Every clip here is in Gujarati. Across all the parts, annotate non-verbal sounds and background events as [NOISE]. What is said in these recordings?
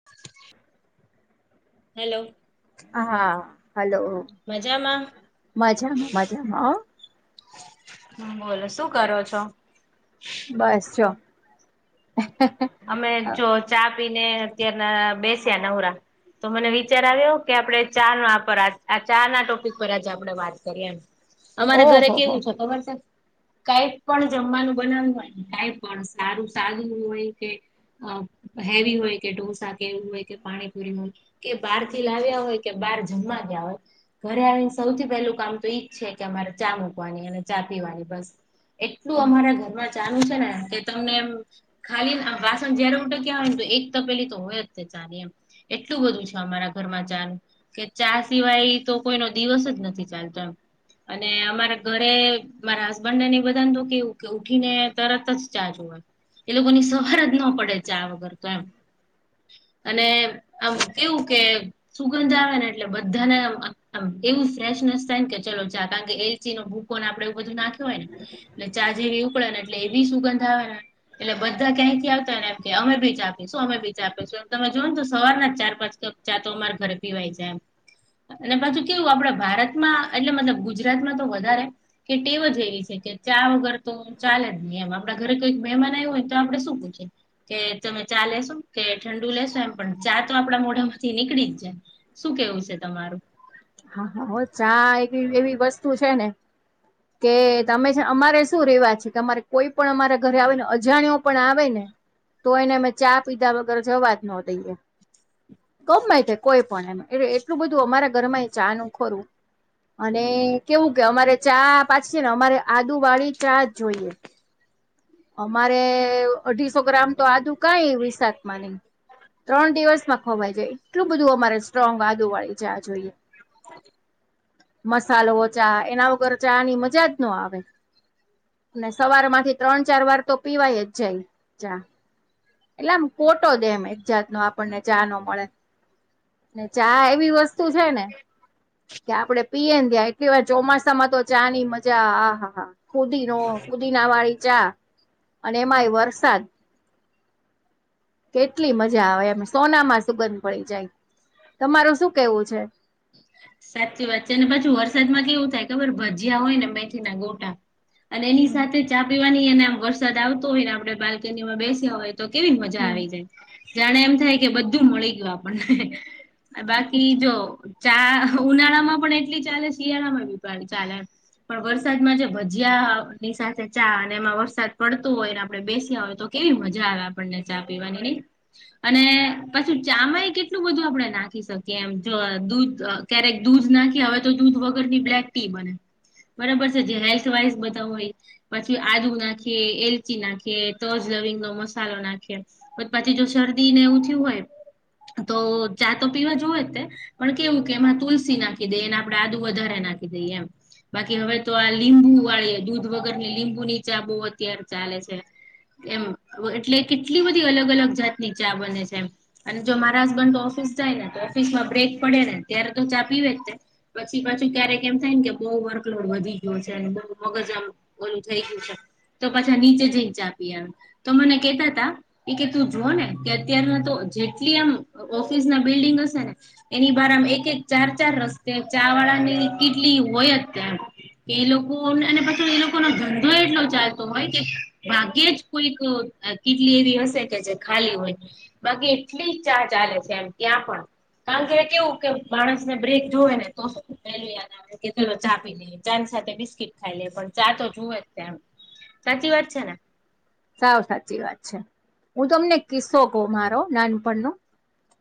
[UNINTELLIGIBLE] હા હલો મજામાં મજામાં મજામાં. હ બોલો શું કરો છો? બસ જો હ હ હ. અમે જો ચા પીને અત્યાર બેસ્યા નવરા. તો મને વિચાર આવ્યો કે આપણે ચા ન આ ચા ના ટોપિક પર આજે આપણેે વાત કરીએ એમ. અમારે ઘરે ઓહો હો કેવું છે ખબર છે. કઈ પણ જમવાનું બનાવું હોય કઈ પણ સારું સાદુ હોય. કે હેવી હોય કે ઢોસા એવું હોય કે પાણીપુરી નુ કે બહાર થી લાવ્યા હોય કે બહાર જમવા ગયા હોય. ઘરે આવીને સૌથી પહેલું કામ તો ઈજ છે કે અમારે ચા મૂકવાની અને ચા પીવાની બસ. એટલું અમારા ઘરમાં ચા નું છે ને કે તમને એમ ખાલીને વાસણ જયારે ઉટક્યા હોય ને એક તપેલી તો હોય જ તે ચા ની. એટલું બધું છે અમારા ઘરમાં ચા નું. કે ચા સિવાય તો કોઈનો દિવસ જ નથી ચાલતો અને અમારા ઘરે મારા હસબન્ડ ને બધા ને કેવું કે ઉઠી ને તરત જ ચા જોઈએ. એ લોકોની સવાર જ ન પડે ચા વગર તો એમ. અને આમ કેવું કે સુગંધ આવે ને એટલે બધાને આ મ એવું ફ્રેશનેસ થાય ને કે ચલો ચા કારણ કે ઇલાયચી નો ભૂકો આપડે એવું બધું નાખ્યું હોય ને અને ચા જેવી ઉકળે એ વી સુગંધ આવે ને એટલે બધા ક્યાંયથી આવતા હોયને એમ કે અમે બી ચા પીશું અમે બી ચા પીશું તમે જોવો ને તો સવાર ન ચાર પાંચ કપ. ચા તો અમારે ઘરે પીવાઈ જાય એમ અને પાછું કેવું આપડ ભારતમાં એટલે મતલબ ગુજરાતમાં તો વધારે કે ટેવ જ એવી છે કે ચા વગર તો ચાલે જ નહી એમ આપડા ઘરે કોઈક મહેમાન ન હોય તો આપડ શું પૂછે કે તમે ચા લેશો કે ઠંડુ લેશો એમ પણ ચા તો આપડા મોઢામાંથી નીકળી જ જાય શું કેવું છે તમારું? હા ચા એ એવી એક વસ્તુ છે ને. કે તમે છે અમારે શું રેવાજ છે કે અમારે કોઈ પણ અમારા ઘરે આવેને અજાણ્યો પણ આવે ને તો એને અમે ચા પીધા વગર જાવજ ના દઈએ. કમાય તે કોઈ પણ એમ એટલે એટલું બધું અમારા ઘર માં ચા નું ખારું અને કેવું કે અમારે ચા પાછી ને અમારે આદુ વાળી ચા જોઈએ. અમારે અઢીસો ગ્રામ તો આદુ કઈ વિશાખમાં નહીં ત્રણ દિવસ માં ખવાય જાય એટલું બધું અમારે સ્ટ્રોંગ આદુવાળી ચા જોઈએ. હ [UNINTELLIGIBLE] મસાલો ચા એના વગર ચા ની મજા જ ન આવે. ને સવાર મા થી તો ત્રણ ચાર વાર તો પીવાયેજ જ ચા. એટલે આમ ખોટો દેમ એક જાત નો આપણને ચા ન મળે. ને ચા એવી વસ્તુ છે ને કે આપડે પીય ને ત્યા એટલી વાર ચોમાસામાં તો ચાની મજા હા હા પુધીનો પુધીના વાળી ચા અને એમાંય વરસાદ કેટલી મજા આવે એમ સોના માં સુગંધ પડી જાય. તમારું શું કેવું છે? સાચી વાત છે અને પાછુ વરસાદમાં કેવું થાય ખબર ભજીયા હોય ને મેથી ના ગોટા અને એની હમ સાથે ચા પીવાની એને વરસાદ આવતો હોય ને આપડે બાલ્કનીમાં બેસ્યા હોય, તો કેવી મજા હમ. આવી જાય, જાણે એમ થાય કે બધું મળી ગયું આપણને. બાકી જો ચા ઉનાળામાં પણ એટલી ચાલે, શિયાળામાં ભી પણ ચાલે. પણ વરસાદમાં જે ભજીયાની સાથે ચા અને એમાં વરસાદ પડતો હોય ને આપડે બેસ્યા હોય તો કેવી મજા આવે આપણને ચા પિવાની નઈ? અને પછી ચામાય કેટલું બધું આપણે નાખી શકીએ એમ જો દૂધ અહ ક્યારેક દૂધ નાખી, હવે તો દૂધ વગરની બ્લેક ટી બને. બરાબર છે જે હેલ્થ વાઈઝ બધા હોય. પછી આદુ નાખીએ, એલચી નાખીએ, તજ લવિંગનો મસાલો નાખીએ તો પતી જો શરદી ને એવું થયું હોય તો ચા તો પીવા જોવે જ તે પણ કેવું કે એમાં તુલસી નાખી દઈએ અને આપડે આદું વધારે નાખી દઈએ એમ. બાકી હવે તો આ લીંબુ વાળી દૂધ વગરની લીંબુની ચા બહુ અત્યારે ચાલે છે. એમ એટલે કેટલી બધી અલગ અલગ જાતની ચા બને છે એમ. અને જો મારા હસબન્ડ તો ઓફિસ જાય ને તો ઓફિસમાં બ્રેક પડે ને ત્યારે તો ચા પીવે જ છે. પછી પાછું ક્યારેક એમ થાય ને કે બહુ વર્કલોડ વધી ગયો છે ને બહુ મગજ આમ ઓલું થઈ છે તો પાછા નીચે જઈ ને તો મને કેતા તા એ કે તું જોને કે અત્યાર નાતો જેટલી આમ ઓફિસના બિલ્ડિંગ હશે ને એની બારમાં એક એક ચાર ચાર રસ્તે ચા વાળાની કિટલી હોય જ ત્યાં. કે એ લોકો અને પાછો એ લોકો ન ધંધો એટલો ચાલતો હોય કે ભાગ્યે જ કોઈક અહ કિટલી એવી હશે કે જે ખાલી હોય. બાકી એટલી ચા ચાલે છે એમ ત્યાં પણ કારણ કે કેવું કે માણસને બ્રેક જોવે ને તો પેલું યાદ આવે કે ચાલો ચા પી લિએ ચા ની સાથે બિસ્કીટ ખાઈ લે પણ ચા તો જુવે જ તે એમ. સાચી વાત છે ને? સાવ સાચી વાત છે. હું તમને કિસ્સો કહું મારો નાનપણનો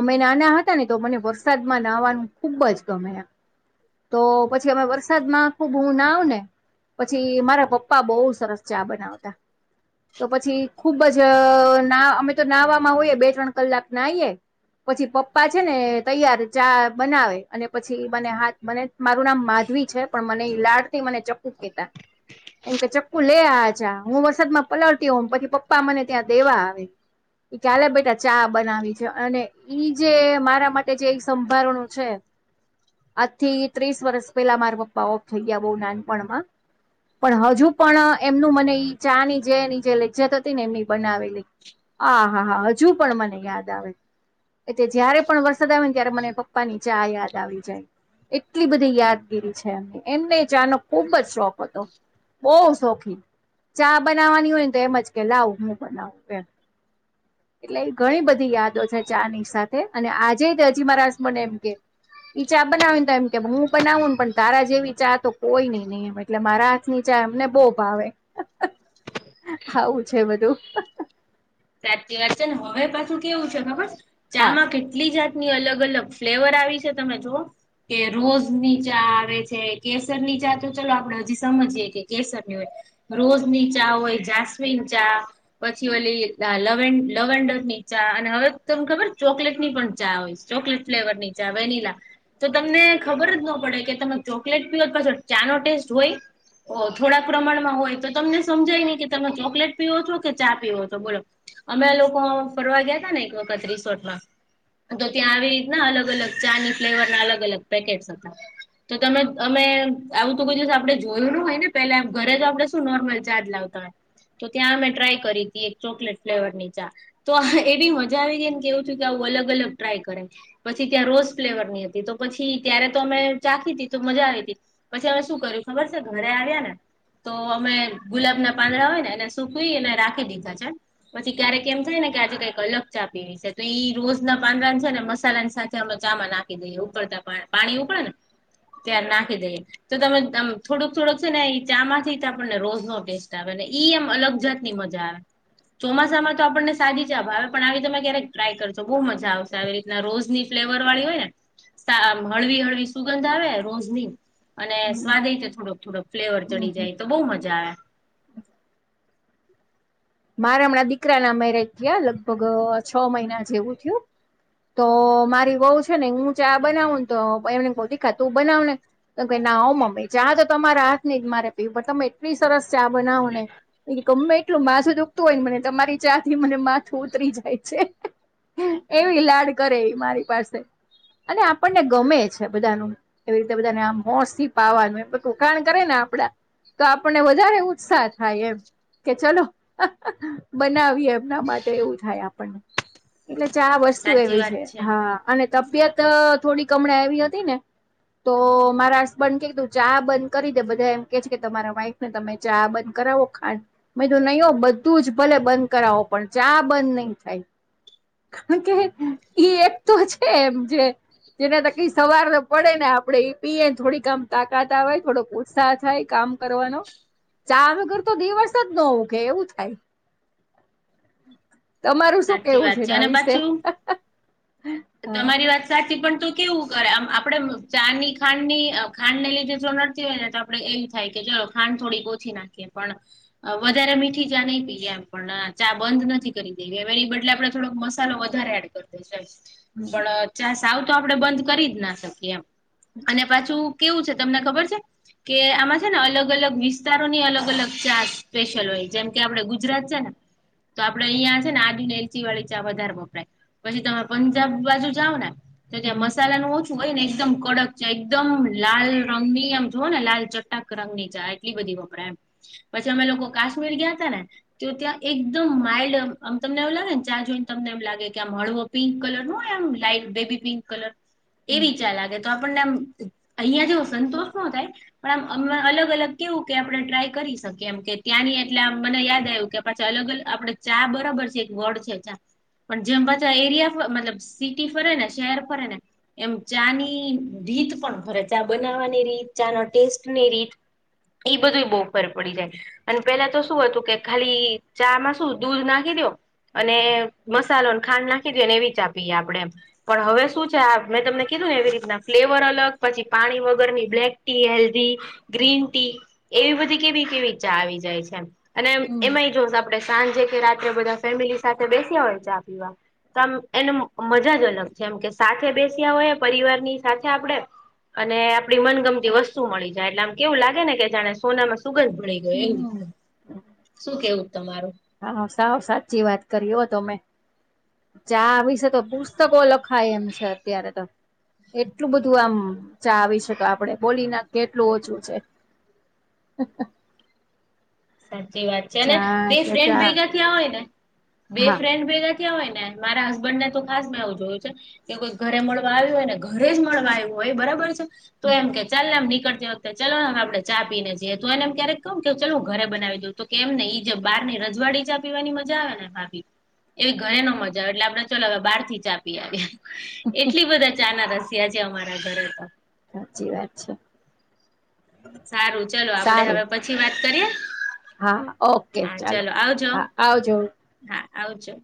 અમે નાના હતા ને તો મને વરસાદમાં નાવાનું ખુબ જ ગમે એમ. તો પછી અમે વરસાદમાં ખુબ હું નાવ ને પછી મારા પપ્પા બહુ સરસ ચા બનાવતા. તો પછી ખુબ અજ ના અમે તો નાવામાં હોઈએ બે ત્રણ કલાક નાઈએ પછી પપ્પા છે ને તૈયાર ચા બનાવે અને પછી મને હાથ મને મારું નામ માધવી છે પણ મને એ લાડથી મને ચક્કુ કેતા. એમ કે ચક્કુ લે આ ચા, હું વરસાદમાં પલળતી હોઉ પછી પપ્પા મને ત્યાં દેવા આવે. ઇ કે આલે બેટા ચા બનાવી છે અને ઈ જે મારા માટે એ સંભારણું છે આજ થી ત્રીસ વર્ષ પેલા મારા પપ્પા ઓફ થઈ ગયા બહુ નાનપણમાં. પણ હજુ પણ અહ એમનું મને ઈ ચાની જે એની જે લજ્જત હતી ને એમની બનાવેલી આ હા હા હજુ પણ મને યાદ આવે. એટલે જયારે પણ વરસાદ આવે ને ત્યારે મને પપ્પાની ચા યાદ આવી જાય. એટલી બધી યાદગીરી છે એમને એમને ચાનો ખુબ જ શોખ હતો. બહુ શોખીન ચા બનાવવાની હોય ને તો એમજ કે લાવ હું બનાવું એમ. એટલે ઘણી બધી યાદો છે ચાની સાથે અને આજે જ હજી મારા હસબન્ડે એમ કીધું. ઈ ચા બનાવીને એમ કે હું બનાવું ને પણ તારા જેવી ચા તો કોઈની નહી. એટલે મારા હાથની ચા એમને બહુ ભાવે. [INAUDIBLE] આવું છે બધું. સાચી વાત છે ને હવે પાછું કેવું છે ખબર છ હા. ચામાં કેટલી જાત. ની અલગ અલગ ફ્લેવર આવી છે તમે જોવો કે રોઝની ચા આવે છે. કેસરની ચા તો ચાલો આપણે હજી સમજીએ કે કેસર [UNINTELLIGIBLE] રોજ ની ચા હોય, જાસ્મિન ચા પછી ઓલી આ લવેન લવેન્ડર ની ચા અને હવે તન ખબર છ ચોકલેટની પણ ચા આવે છે. ચોકલેટ ફ્લેવરની ચા વેનીલા તો તમને ખબર જ નો પડે કે તમે ચોકલેટ પીઓ પાછો ચા નો ટેસ્ટ હોય. ઓ થોડાક પ્રમાણમાં હોય તો તમને સમજાય નહી કે તમે ચોકલેટ પીવો છો કે ચા પીવો છો બોલો. અમે લોકો ફરવા ગયા તા ને એક વખત રિસોર્ટમાં તો ત્યાં આવી રીતના અલગ અલગ ચાની ફ્લેવરના અલગ અલગ પેકેટસ હતા. તો તમે અમે આવું તો કોઈ દિવસ આપડે જોયું નો હોય ને પેલા ઘરે તો આપડે શુ નોર્મલ ચાજ લાવતા હોય તો ત્યાં અમે ટ્રાય કરી તી એક ચોકલેટ ફ્લેવર ની ચા તો એવી મજા આવી ગઈ ને કેવું હતું કે આવું અલગ અલગ ટ્રાય કરે. પછી ત્યાં રોઝ ફ્લેવરની હતી તો પછી ત્યારે તો અમે ચાખી તી તો મજા આવી તી. પછી અમે શું કર્યું ખબર છે ઘરે આવ્યા ને તો અમે ગુલાબના પાંદડા હોય ને એને સુકવીને રાખી દીધા છે. પછી ક્યારેક એમ થાય ને કે આજે કંઈક અલગ ચા પીવી છે તો ઈ રોજ ના પાંદડાને છે ને મસાલાની સાથે અમે ચામાં નાખુ. એની ઉપર દબાણ પાણી ઉપર ત્યાર નાખી દઈએ. તો તમે આમ થોડુંક થોડુંક છે ને એ ચા માંથી આપણને રોજ નો ટેસ્ટ આવે ને ઈ આમ અલગ જાત ની મજા આવે. ચોમાસામાં તો આપણને સાદી ચા ભાવે પણ આવી તમે કયારેક ટ્રાય કરજો. બહુ મજા આવશે આવી રીતે ને રોજની ફ્લેવર વાળી હોય ને આમ હળવી હળવી સુગંધ આવે રોજની. અને સ્વાદે રીતે થોડોક થોડોક ફ્લેવર ચડી જાય તો બઉ મજા આવે. મારા હમણાં દીકરા ના મેરેજ થયા લગભગ છ મહિના જેવું થયું. તો મારી વઉ છે ને હું ચા બનાવુ ને તો એમને કવ દીકા તું બનાવ ને તો કે ના હો મમ્મી ચા તો તમારા હાથ ની જ મારે પીવું પણ તમે એટલી સરસ ચા બનાવો ને. ઇ ગમે એટલું માથું દુખતું હોય ને મને તમારી ચા થી મને માથું ઉતરી જાય છે. એવી લાડ કરે મારી પાસે અને આપણને ગમે છે બધાનું. એવી રીતે બધાને આમ હોસથી પાવાનું [UNINTELLIGIBLE] કરે ને આપડા તો આપણને વધારે ઉત્સાહ થાય એમ કે ચલો. બનાવીએ એમના માટે એવું થાય આપણને. એટલે ચા વસ્તુ સાચી એવી વાત છે હા અને તબિયત થોડીક હમણાં એવી હતી ને. તો મારા હસબન્ડ કે તું ચા બંધ કરી દે બધા એમ કે છે કે તમારા વાઈફ ને તમે ચા બંધ કરાવો ખાંડ મે કીધું નહી હો બન. બધું જ ભલે બંધ કરાવો પણ ચા બંધ નહી થાય. [UNINTELLIGIBLE] ઇ એક તો છે એમ જે. જેના થકી સવાર પડે ને આપડે ઈ પીએ ન થોડીક આમ તાકાત આવે થોડો ઉત્સાહ થાય કામ કરવાનો ચા વગર તો દિવસ જ નો ઉગે કે એવું થ [UNINTELLIGIBLE] તમારું શું સાચી કેવું છે વાત એના અને વિશે પાછું હા [UNINTELLIGIBLE] પણ તો કેવું કરે અમ આપડે ચા ની ખાં ની ખાડ ને લીધે જો નડતી હોય ને તો આપડે એમ થાય કે ચલો ખાડ થોડી ઓછી નાખીએ પણ વધારે મીઠી ચા નઈ પીએ એમ પણ ચા બંધ નથી કરી વળી બદલે આપડે થોડોક મસાલો વધારે એડ કરી દે છે એમ હમ પણ ચા સાવ તો આપણે બંધ કરી જ ના શકીએ એમ અને પાછું કેવું છે તમને ખબર છે. કે આમાં છે ને અલગ અલગ વિસ્તારોની અલગ અલગ ચા સ્પેશિલ હોય જેમ કે આપડે ગુજરાત છે ને તો આપડે અહિયાં જ ને આદુ ને એલચી વાળી ચા વધારે વપરાય પછી તમે પંજાબ બાજુ જાઓ ને તો ત્યાં હમ મસાલાનું ઓછ હોય ને એકદમ કડક ચાય એકદમ લાલ રંગ ની આમ જોવ ને લાલ ચટાક રંગની ચાય એટલી બધી વપરાય અમે પસી અમે લોકો કાશ્મીર ગયા તા ને તો ત્યાં એકદમ માઇલ્ડ. આમ તમને એવું લાગેને ચા જોઈને તમને એમ લાગે કે આમ હળવો પિંક કલર નો હોય આમ લાઈટ બેબી પિંક કલર હમ એવી ચા લાગે તો આપણને અહિયાં જે સંતોષ નો થાય પણ આમ અલગ અલગ કેવું કે આપણે ટ્રાય કરી શકીએ એમ કે ત્યાંની એટલે આમ મને યાદ આયુ કે પાછ અલગ અલગ આપડે ચા બરાબર છે, એક વડ છે, ચા. પણ જેમ બધા એરિયા મતલબ સિટી ફરે ને શહેર ફરે ને એમ ચા ની રીત પણ ખરે ચા બનાવાની રીત ચા ન ટેસ્ટની રીત એ બધું બહ ફર પડી જાય અને પેલા તો શું હતું કે ખાલી ચા માં શું દૂધ નાખ નાખી દયો અને મસાલોને ખાંડ નાખી એવી જ આપીએ આપડે એમ પણ હવે શું છે, આ મેં તમને કીધું એવી રીતના ફ્લેવર અલગ પછી પાણી વગરની black tea healthy green tea એવી બધી કેવી કેવી ચા આવી જાય છે, એમ અને હમ એમાંય જોશ આપે સાંજે કે રાત્રે બધા ફેમિલી સાથે બેસ્યા હોય ચા પીવા તો આમ એને મજા જ અલગ છે, એમ કે સાથે બેસ્યા હોય પરિવારની સાથે આપડે અને આપડી મનગમતી વસ્તુ મળી જાય એટલે આમ કેવું લાગે ને જાણે સોનામાં સુગંધ હમ ભણી, [UNINTELLIGIBLE] શું કેવું તમારું. હા સાવ સાચી વાત કરી હો તો ચા આવી છે, તો [UNINTELLIGIBLE] પુસ્તકો લખાય એમ છે, અત્યારે તો એટલું બધું આમ ચા આવી છે, તો આપડે બોલી નાખીએ એટલું ઓછું છે. [UNINTELLIGIBLE] [INAUDIBLE] સાચી વાત છે, અને ચા બે કે ફ્રેન્ડ ચા ભેગા થયાં હોય ને બે હા ફ્રેન્ડ ભેગા હોય ને મારા હસબન્ડ ને તો ખાસ મેં એવું જોયું છે. કે કોઈ ઘરે મળવા આવ્યું હોય ને ઘરે જ મળવા આવ્યું હોય બરાબર છે. તો એમ કે ચાલ ને એમ નીકળતી વખતે ચો આપડે ચા પીને જીએ તો એનેમ ક્યારેક કહ કે ચલું ઘરે બનાવી તો એમ નઈ બહારની રજવાડી ચા પીવાની મજા આવે ને ભાભી એવી ઘરે નો મજા આવે એટલે આપડે ચલો હવે બાર થી ચા પી આવીએ એટલી બધા ચાના રસિયા છેે, અમારા ઘરે સાચી વાત છે. સારું ચલો આપડે સારું હવે પછી વાત કરીએ હા ઓકે હા ચાલો ચલો આવજો હા આવજો હા આવજો